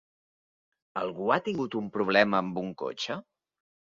Algú ha tingut un problema amb un cotxe?